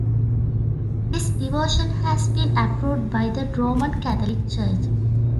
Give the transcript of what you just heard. This devotion has been approved by the Roman Catholic Church.